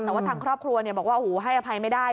แต่ว่าทางครอบครัวบอกว่าโอ้โหให้อภัยไม่ได้